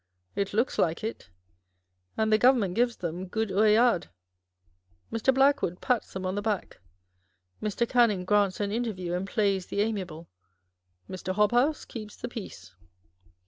It looks like it ; and the Government gives them " good ceillades " â€" Mr. Blackwood pats them on the back â€" Mr. Canning grants an interview and plays the amiable â€" Mr. Hobhouse keeps the peace.